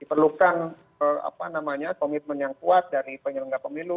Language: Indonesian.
diperlukan apa namanya komitmen yang kuat dari penyelenggara pemilu